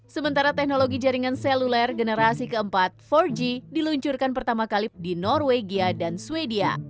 sementara teknologi jaringan seluler generasi keempat empat g diluncurkan pertama kali di norwegia dan sweden